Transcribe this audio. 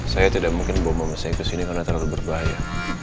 saya tidak mungkin membawa saya ke sini karena terlalu berbahaya